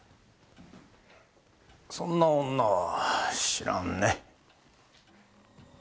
そんな女は知らんね。